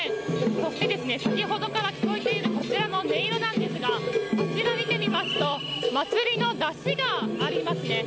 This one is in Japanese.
そして、先ほどから聞こえている音色なんですが見てみますと祭りの山車がありますね。